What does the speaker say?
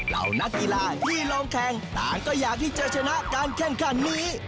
เหล่านักกีฬาที่ลองแข่งต่างก็อยากที่จะชนะการแข่งขันนี้